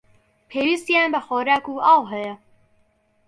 پێویستیان بە خۆراک و ئاو هەیە.